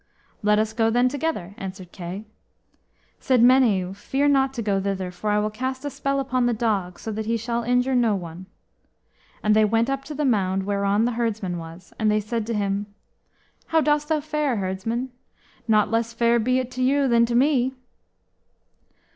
"Let us go then together." answered Kay. Said Meneu, "Fear not to go thither, for I will cast a spell upon the dog, so that he shall injure no one." And they went up to the mound whereon the herdsman was, and they said to him, "How dost thou fare, herdsman?" "Not less fair be it to you than to me."